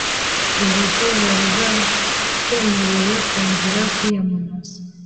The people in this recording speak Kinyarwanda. Rubavu bari bemerewe kongera kwiyamamaza